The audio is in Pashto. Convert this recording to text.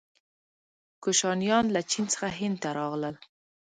کوشانیان له چین څخه هند ته راغلل.